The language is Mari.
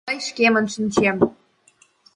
Мый шкемым шинчем.